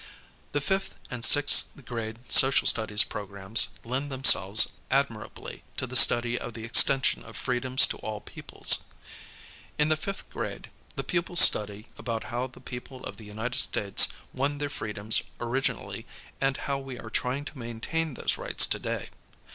The fifth aiul sixth grade social studies programs lend themselves ad mirably to the study of the extension of freedoms to all peoples. In ijie 1 fifth grade, the pupils study about how the people of the United States won their freedoms originally and how we are trying to maintain those rights today.